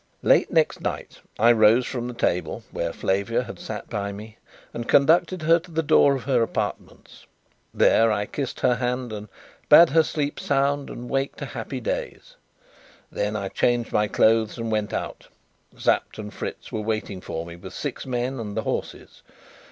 Late next night I rose from table, where Flavia had sat by me, and conducted her to the door of her apartments. There I kissed her hand, and bade her sleep sound and wake to happy days. Then I changed my clothes and went out. Sapt and Fritz were waiting for me with six men and the horses.